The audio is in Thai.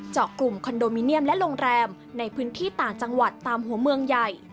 เจาะกลุ่มคอนโดมิเนียมและโรงแรมในพื้นที่ต่างจังหวัดตามหัวเมืองใหญ่